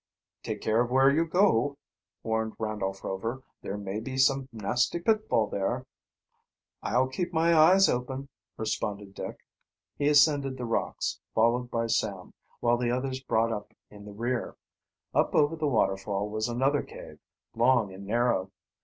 "Take care of where you go," warned Randolph Rover. "There may be some nasty pitfall there." "I'll keep my eyes open," responded Dick. He ascended the rocks, followed by Sam, while the others brought up in the rear. Up over the waterfall was another cave, long and narrow.